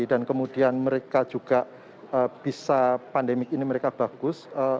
dan kemudian mereka juga bisa pandemik ini mereka bagus